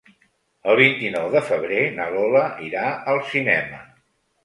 El vint-i-nou de febrer na Lola irà al cinema.